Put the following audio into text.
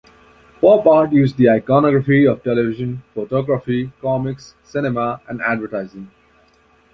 Pop art used the iconography of television, photography, comics, cinema and advertising.